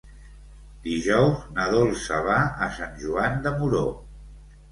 Dijous na Dolça va a Sant Joan de Moró.